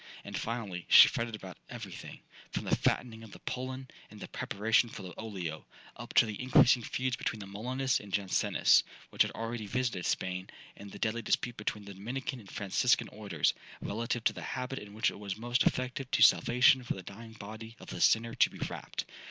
And finally, she fretted about every thing, from the fattening of the 'pullen,' and the preparation for the olio, up to the increasing feuds between the Molinists and Jansenists, which had already visited Spain, and the deadly dispute between the Dominican and Franciscan orders, relative to the habit in which it was most effective to salvation for the dying body of the sinner to be wrapped.